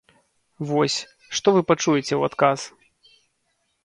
Вось, што вы пачуеце ў адказ.